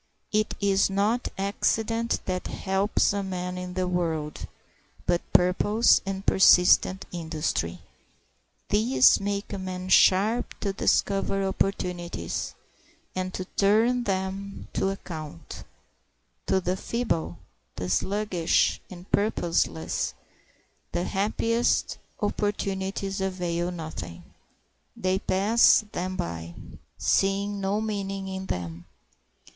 It is not accident that helps a man in the world, but purpose and persistent industry. These make a man sharp to discover opportunities and to turn them to account. To the feeble, the sluggish and purposeless the happiest opportunities avail nothing. They pass them by, seeing no meaning in them.